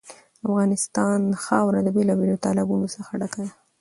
د افغانستان خاوره له بېلابېلو تالابونو څخه ډکه ده.